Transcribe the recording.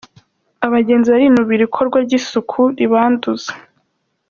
Abagenzi barinubira ikorwa ry’isuku ribanduza